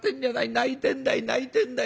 泣いてんだい泣いてんだよ。